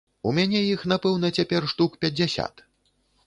У мяне іх, напэўна, цяпер штук пяцьдзясят.